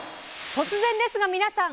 突然ですが皆さん！